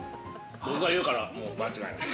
僕が言うからもう間違いない。